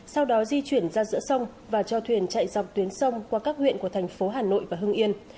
sau đó di chuyển ra giữa sông và cho thuyền chạy dọc tuyến sông qua các huyện của thành phố hà nội và hưng yên